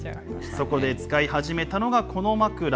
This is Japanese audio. そこで使い始めたのが、この枕。